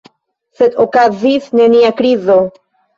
Sed okazis nenia krizo.